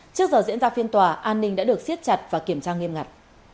trước giờ diễn ra phiên tòa an ninh đã được siết chặt và kiểm tra nghiêm ngặt